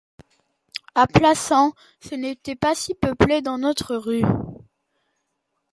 A Plassans, ce n'était pas si peuplé, dans notre rue.